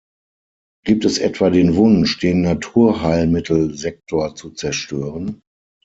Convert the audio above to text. Gibt es etwa den Wunsch, den Naturheilmittelsektor zu zerstören?